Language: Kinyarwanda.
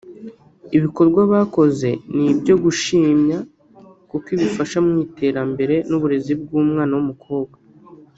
ibikorwa bakoze n’ibyo gushimya kuko bifasha mu iterambere n’uburezi bw’umwana w’umukobwa